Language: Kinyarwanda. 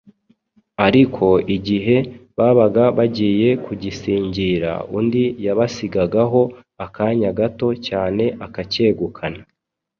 ariko igihe babaga bagiye kugisingira, undi yabasigagaho akanya gato cyane akacyegukana.